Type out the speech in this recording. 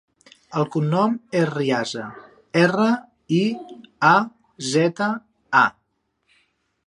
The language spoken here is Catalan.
El cognom és Riaza: erra, i, a, zeta, a.